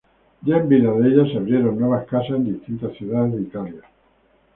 Ya en vida de ella se abrieron nuevas casas en distintas ciudades de Italia.